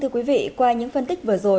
quý vị qua những phân tích vừa rồi